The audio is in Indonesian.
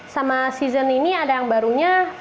sama season ini ada yang barunya